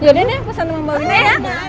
ya udah deh pesan sama mbak wina ya